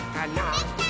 できたー！